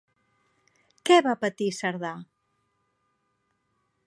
Què va patir Cerdà?